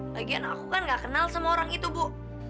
bagian aku kan gak kenal sama orang itu bu